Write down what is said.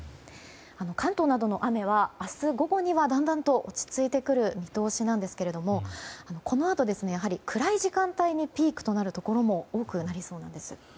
関東などの雨は明日午後にはだんだんと落ち着いてくる見通しですがこのあと、暗い時間帯にピークとなるところも多くなりそうなんです。